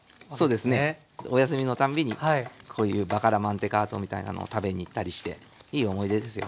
そうですねお休みのたんびにこういうバカラマンテカートみたいなのを食べに行ったりしていい思い出ですよ。